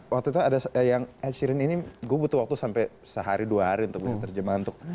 waktu itu ada yang akhir ini gue butuh waktu sampai sehari dua hari untuk menerjemahkan